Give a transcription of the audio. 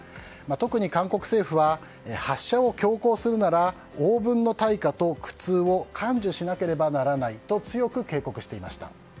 特に韓国政府は発射を強行するなら応分の対価と苦痛を甘受しなければならないと強く警告していました。